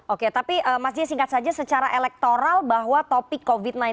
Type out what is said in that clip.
oke tapi mas j singkat saja secara elektoral bahwa topik covid sembilan belas